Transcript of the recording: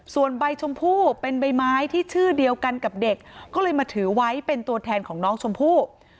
ส่วนใบชมพู่เป็นใบไม้ที่ชื่อเดียวกันกับเด็กก็เลยมาถือไว้เป็นตัวแทนของน้องชมพู่